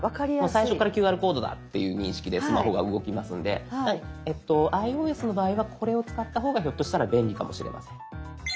最初からＱＲコードだっていう認識でスマホが動きますのでｉＯＳの場合はこれを使った方がひょっとしたら便利かもしれません。